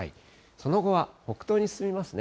その後は北東に進みますね。